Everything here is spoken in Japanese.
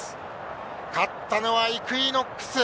勝ったのはイクイノックス。